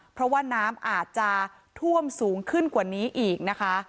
เพราะว่าน้ำอาจจะท่วมสูงขึ้นกว่านี้อีกนะคะ